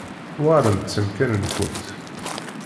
Uɣalemt s amkan-nkent.